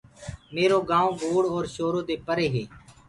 ميرو گآئونٚ گوڙ اور شورو دي پري هي